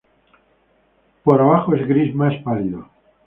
Por abajo es gris más pálido.